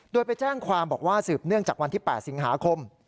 โดยไปแจ้งความบอกว่าสืบเนื่องจากวันที่๘สิงหาคม